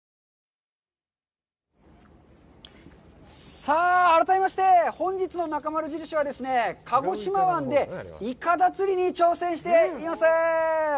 さあ、改めまして、本日の「なかまる印」は、鹿児島湾でいかだ釣りに挑戦しています。